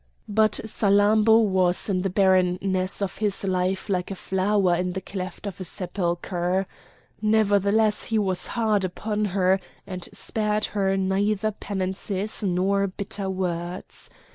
But Salammbô was in the barrenness of his life like a flower in the cleft of a sepulchre. Nevertheless he was hard upon her, and spared her neither penances nor bitter words.